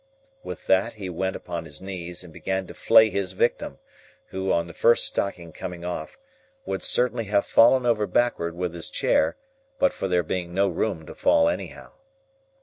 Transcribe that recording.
With that, he went upon his knees, and began to flay his victim; who, on the first stocking coming off, would certainly have fallen over backward with his chair, but for there being no room to fall anyhow.